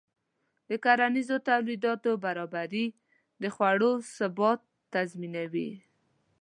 د کرنیزو تولیداتو برابري د خوړو ثبات تضمینوي.